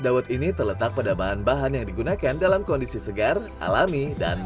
dawet ini terletak pada bahan bahan yang digunakan dalam kondisi segar alami dan